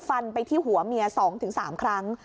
ฟันไปที่หัวเมีย๒๓ครั้ง